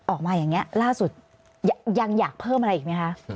ออกมาอย่างนี้ล่าสุดยังอยากเพิ่มอะไรอีกไหมคะ